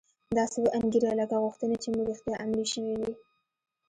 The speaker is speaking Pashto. داسې و انګیرئ لکه غوښتنې چې مو رښتیا عملي شوې وي